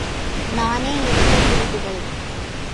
நானே எடுத்த குறிப்புகள்!